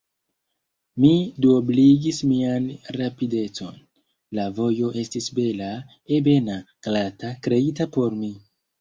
Mi duobligis mian rapidecon: la vojo estis bela, ebena, glata, kreita por mi.